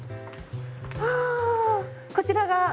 あこちらが。